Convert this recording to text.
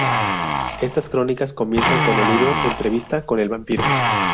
Estas crónicas comienzan con el libro Entrevista con el vampiro.